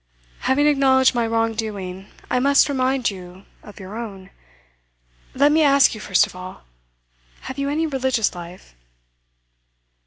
'Having acknowledged my wrong doing, I must remind you of your own. Let me ask you first of all have you any religious life?